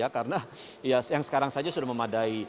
karena yang sekarang saja sudah memadai